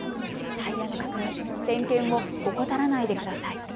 タイヤの確認、点検を怠らないでください。